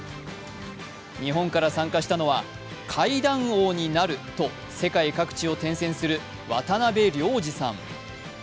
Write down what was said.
日本から参加したのは、階段王になると世界各地を転戦する渡辺良治さん。